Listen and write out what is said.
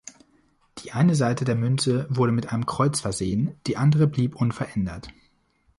Die eine Seite der Münze wurde mit einem Kreuz versehen, die andere blieb unverändert.